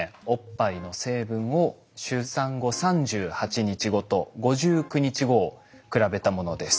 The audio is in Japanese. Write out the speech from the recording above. おっぱいの成分を出産後３８日後と５９日後を比べたものです。